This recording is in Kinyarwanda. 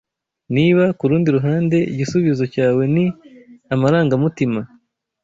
Niba, kurundi ruhande, igisubizo cyawe ni "amarangamutima